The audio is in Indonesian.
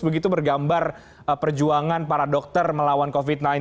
begitu bergambar perjuangan para dokter melawan covid sembilan belas